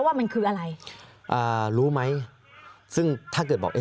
สามารถรู้ได้เลยเหรอคะ